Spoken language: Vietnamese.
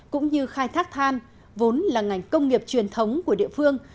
cũng như khai thác than vốn là ngành công nghiệp truyền thống của địa phương